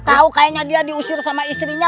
tahu kayaknya dia diusir sama istrinya